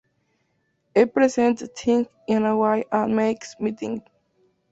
He presents things in a way and makes me think.